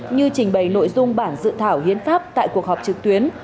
như trình bày nội dung bản dự thảo hiến pháp tại cuộc họp trực tuyến